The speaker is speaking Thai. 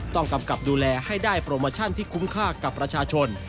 กำกับดูแลให้ได้โปรโมชั่นที่คุ้มค่ากับประชาชน